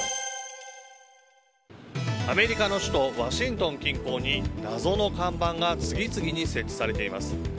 アメリカの首都ワシントン近郊に謎の看板が次々に設置されています。